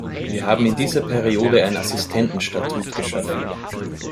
Wir haben in dieser Periode ein Assistentenstatut geschaffen.